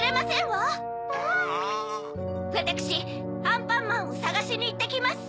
わたくしアンパンマンをさがしにいってきます！